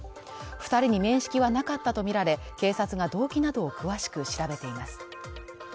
二人に面識はなかったとみられ警察が動機などを詳しく調べています